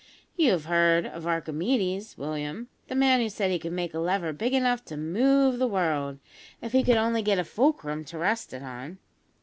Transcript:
You have heard of Archimedes, William the man who said he could make a lever big enough to move the world, if he could only get a fulcrum to rest it on.